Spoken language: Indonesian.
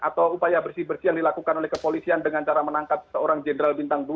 atau upaya bersih bersih yang dilakukan oleh kepolisian dengan cara menangkap seorang jenderal bintang dua